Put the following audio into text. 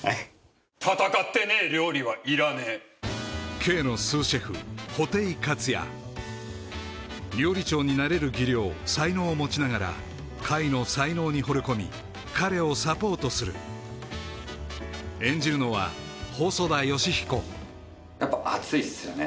戦ってねえ料理はいらねえＫの料理長になれる技量才能を持ちながら海の才能にほれ込み彼をサポートする演じるのはやっぱ熱いっすよね